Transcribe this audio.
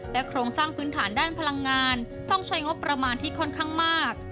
โครงสร้างพื้นฐานด้านพลังงานต้องใช้งบประมาณที่ค่อนข้างมาก